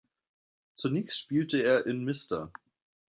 Zunächst spielte er in Mr.